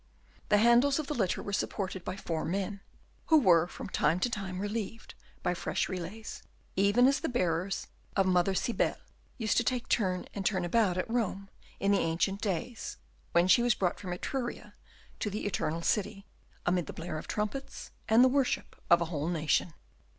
The handles of the litter were supported by four men, who were from time to time relieved by fresh relays, even as the bearers of Mother Cybele used to take turn and turn about at Rome in the ancient days, when she was brought from Etruria to the Eternal City, amid the blare of trumpets and the worship of a whole nation.